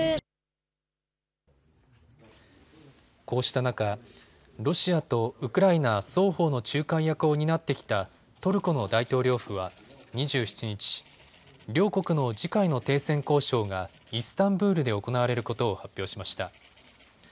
こうした中、ロシアとウクライナ双方の仲介役を担ってきたトルコの大統領府は２７日、両国の次回の停戦交渉がイスタンブールで行われることを発表しました。